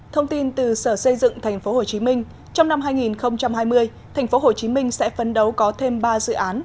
thông tin từ sở xây dựng tp hcm trong năm hai nghìn hai mươi tp hcm sẽ phấn đấu có thêm ba dự án